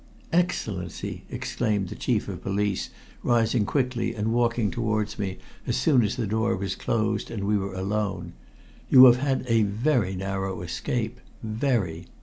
"Excellency!" exclaimed the Chief of Police, rising quickly and walking towards me as soon as the door was closed, and we were alone, "you have had a very narrow escape very.